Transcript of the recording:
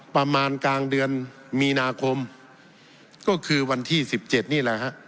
ประมาณกลางเดือนมีนาคมก็คือวันที่๑๗นี่แหละฮะ